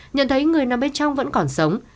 nhận thấy người nằm bên trong vẫn còn sống